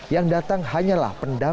yang datang hanyalah pendam